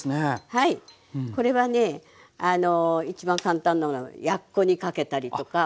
はいこれはね一番簡単なのはやっこにかけたりとか。